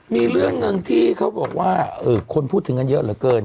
มีเรื่องหนึ่งที่เขาบอกว่าคนพูดถึงกันเยอะเหลือเกิน